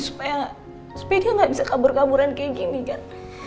supaya dia gak bisa kabur kaburan kayak gini kan